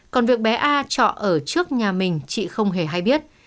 còn việc bé a chọn ở trước nhà mình chị không hề hay biết